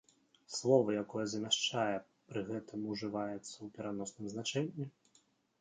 Слова, якое замяшчае, пры гэтым ужываецца ў пераносным значэнні.